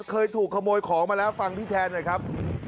เคยถูกขโมยของมาแล้วฟังพี่แทนหน่อยครับ